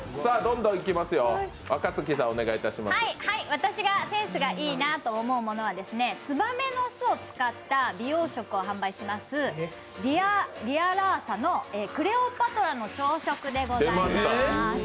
私がセンスがいいなと思うものはつばめの巣を使った美容食を販売するＲＩＡＲＡＳＡのクレオパトラの朝食でございます。